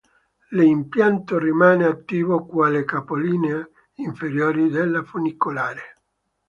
L'impianto rimane attivo quale capolinea inferiore della funicolare.